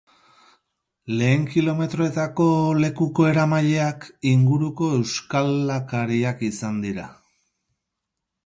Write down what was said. Lehen kilometroetako lekuko eramaileak inguruko euskalakariak izan dira.